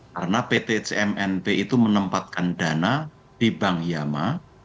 karena pt cmnp itu menempatkan dana di bank hiama